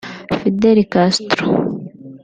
Fidel Castro